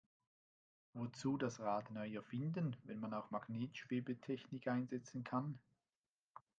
Wozu das Rad neu erfinden, wenn man auch Magnetschwebetechnik einsetzen kann?